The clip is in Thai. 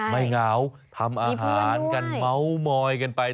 เหงาทำอาหารกันเม้ามอยกันไป